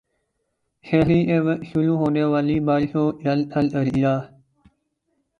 سحری کے وقت شروع ہونے والی بارشوں جل تھل کر دیا